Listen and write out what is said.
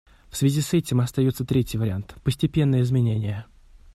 В связи с этим остается третий вариант — постепенные изменения.